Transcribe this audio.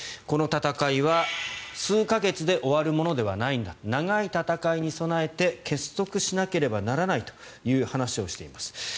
この戦いは数か月で終わるものではないんだ長い戦いに備えて結束しなければならないという話をしています。